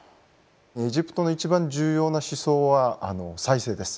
エジプトの一番重要な思想は再生です。